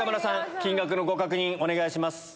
金額のご確認お願いします。